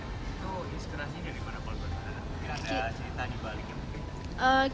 ada cerita di baliknya mungkin